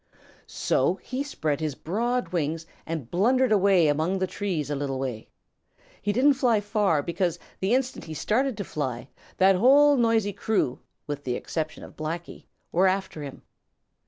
So he spread his broad wings and blundered away among the trees a little way. He didn't fly far because the instant he started to fly that whole noisy crew with the exception of Blacky were after him.